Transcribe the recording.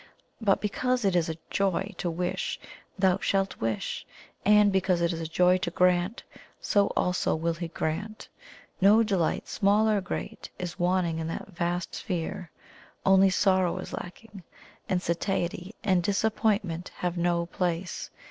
But because it is a joy to wish, thou shalt wish! and because it is a joy to grant, so also will He grant. No delight, small or great, is wanting in that vast sphere; only sorrow is lacking, and satiety and disappointment have no place.